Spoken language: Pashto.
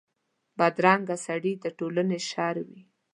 بدرنګه سړي د ټولنې شر وي